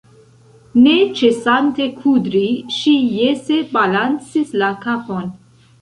Ne ĉesante kudri, ŝi jese balancis la kapon.